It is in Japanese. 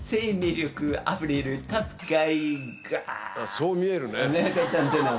そう見えるね。